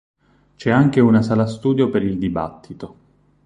C'è anche una sala studio per il dibattito.